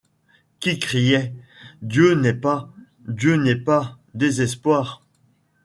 Qui criait :— Dieu n’est pas ! Dieu n’est pas ! désespoir !